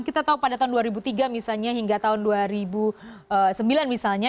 kita tahu pada tahun dua ribu tiga misalnya hingga tahun dua ribu sembilan misalnya